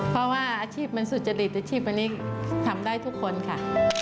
เพราะว่าอาชีพมันสุจริตอาชีพอันนี้ทำได้ทุกคนค่ะ